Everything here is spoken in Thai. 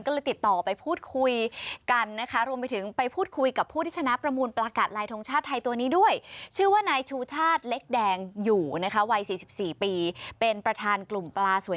ก็เลยติดต่อไปพูดคุยกันนะคะ